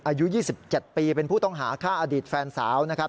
อายุ๒๗ปีเป็นผู้ต้องหาฆ่าอดีตแฟนสาวนะครับ